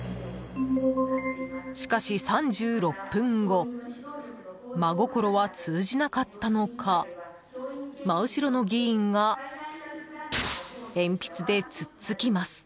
しかし３６分後まごころは通じなかったのか真後ろの議員が鉛筆で突っつきます。